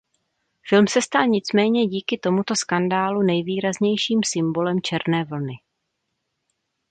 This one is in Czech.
Film se stal nicméně díky tomuto skandálu nejvýraznějším symbolem černé vlny.